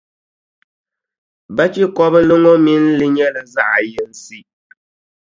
Bachikɔbili ŋɔ mini li nyɛla zaɣʼ yinsi.